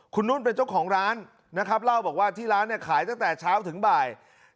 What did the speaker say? คุณนุ่นเป็นเจ้าของร้านนะครับเล่าบอกว่าที่ร้านเนี่ยขายตั้งแต่เช้าถึงบ่าย